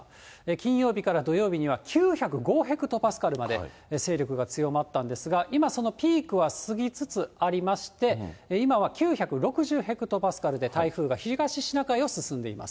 金曜日から土曜日には、９０５ヘクトパスカルまで勢力が強まったんですが、今、そのピークは過ぎつつありまして、今は９６０ヘクトパスカルで、台風が東シナ海を進んでいます。